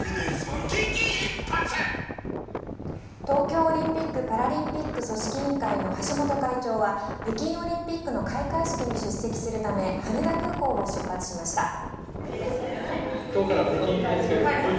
東京オリンピック・パラリンピック組織委員会の橋本会長は北京オリンピックの開会式に出席するため羽田空港を出発しました。